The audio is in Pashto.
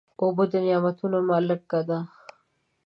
اوبه د نعمتونو ملکه ده.